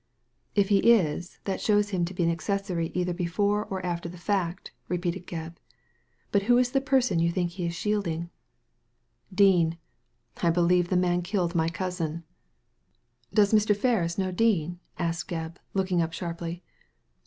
" If he is, that shows him to be an accessory either before or after the fact," repeated Gebb. "But who is the person you think he is shielding ?"" Dean I I believe the man killed my cousin." Digitized by Google 144 THE LADY FROM NOWHERE " Does Mr. Ferris know Dean ?" asked Gebb, look ing up sharply.